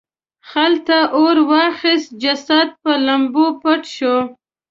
خلته اور واخیست جسد په لمبو پټ شو.